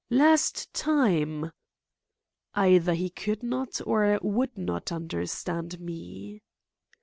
"Last time!" Either he could not or would not understand me.